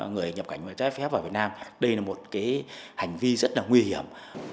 người nhập cảnh trái phép vào việt nam đây là một hành vi rất là nguy hiểm